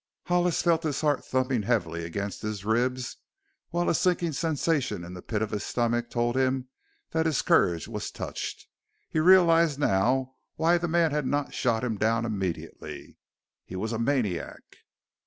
Hollis felt his heart thumping heavily against his ribs, while a sinking sensation in the pit of his stomach told him that his courage was touched. He realized now why the man had not shot him down immediately. He was a maniac!